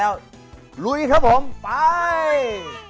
เราก็ลุยครับผมไป